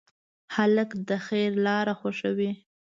هلک د خیر لاره خوښوي.